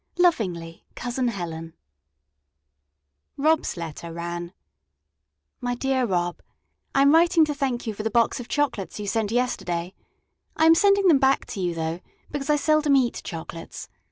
Lovingly COUSIN HELEN Rob's letter ran: My dear Rob: I am writing to thank you for the box of chocolates you sent yesterday. I am sending them back to you, though, because I seldom eat chocolates.